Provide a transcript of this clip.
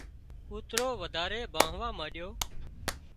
ڪوترو وڌاري ڀانهوا مانڏيو